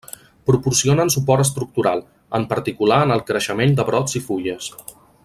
Proporcionen suport estructural, en particular en el creixement de brots i fulles.